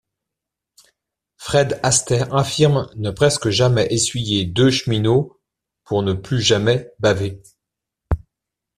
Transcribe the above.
Fred Astaire affirme ne presque jamais essuyer deux cheminots pour ne plus jamais baver.